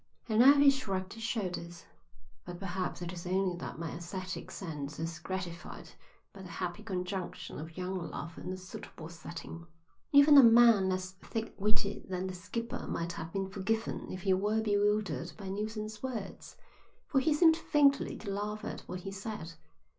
And now he shrugged his shoulders. "But perhaps it is only that my æsthetic sense is gratified by the happy conjunction of young love and a suitable setting." Even a man less thick witted than the skipper might have been forgiven if he were bewildered by Neilson's words. For he seemed faintly to laugh at what he said.